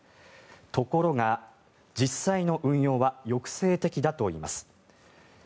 ところが実際の運用は抑制的だといいます。